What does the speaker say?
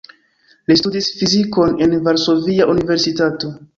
Li studis fizikon en Varsovia Universitato.